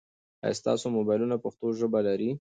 آیا ستاسو موبایلونه پښتو ژبه لري؟